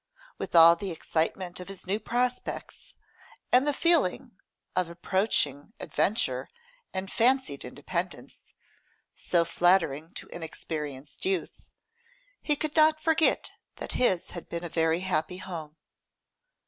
With all the excitement of his new prospects, and the feeling of approaching adventure and fancied independence, so flattering to inexperienced youth, he could not forget that his had been a very happy home.